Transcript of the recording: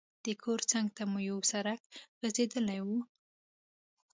د کور څنګ ته مو یو سړک غځېدلی وو.